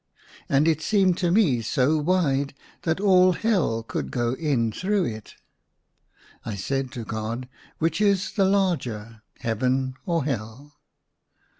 And it seemed to me so wide that all Hell could go in through it. I said to God, " Which is the larger, Heaven or Hell